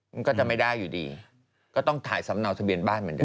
มันก็จะไม่ได้อยู่ดีก็ต้องถ่ายสำเนาทะเบียนบ้านเหมือนเ